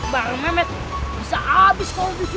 baru memet bisa abis kalau disuruh